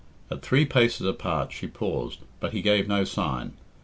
At three paces apart she paused, but he gave no sign.